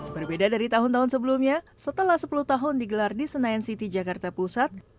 berbeda dari tahun tahun sebelumnya setelah sepuluh tahun digelar di senayan city jakarta pusat